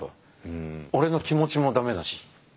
俺の気持ちもダメだし。